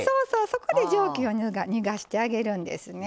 そこで蒸気を逃がしてあげるんですね。